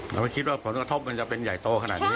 ไม่คิดว่าผลกระทบมันจะเป็นใหญ่โตขนาดนี้